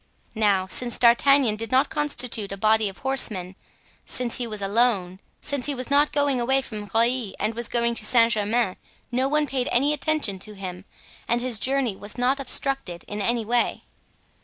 Now, since D'Artagnan did not constitute a body of horsemen, since he was alone, since he was not going away from Rueil and was going to Saint Germain, no one paid any attention to him and his journey was not obstructed in any way.